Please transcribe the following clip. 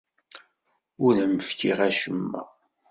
Ur am-fkiɣ acemma.